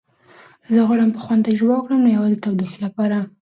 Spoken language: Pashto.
زه غواړم په خوند تجربه وکړم، نه یوازې د تودوخې لپاره.